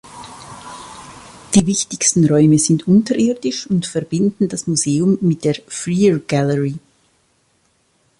Die wichtigsten Räume sind unterirdisch und verbinden das Museum mit der Freer Gallery.